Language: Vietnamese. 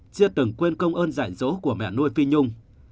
chia từng quên công ơn giải dỗ của mẹ nuôi phi nhung